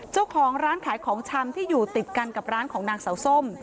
เจ้าของร้านขายของชำที่อยู่ติดกันกับร้านของนางเสาส้ม